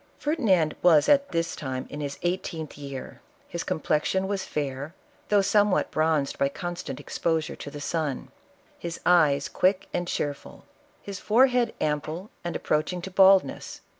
" Ferdinand was at this time in his eighteenth year. His complexion was fair, though somewhat bronzed by constant exposure to the sun ; his eyes quick and cheerful ; his forehead ample and approaching to bald ness.